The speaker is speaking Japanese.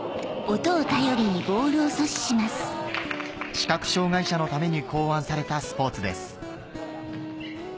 視覚障がい者のために考案されたスポーツです